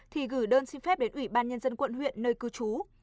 thì gửi đơn xin phép đến ủy ban nhân dân quận huyện nơi cư trú